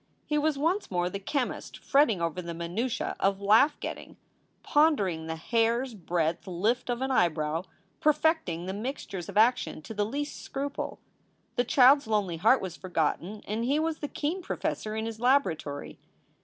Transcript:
He was once more the chemist fretting over the minutias of laugh getting, pondering the hair s breadth lift of an eyebrow, perfecting the mixtures of action to the least scruple. The child s lonely heart was forgotten and he was the keen professor in his laboratory.